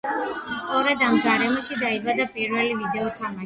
სწორედ ამ გარემოში დაიბადა პირველი ვიდეო თამაშები.